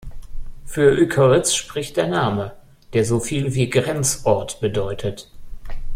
Für Ückeritz spricht der Name, der so viel wie „Grenzort“ bedeutet.